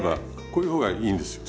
こういう方がいいんですよ。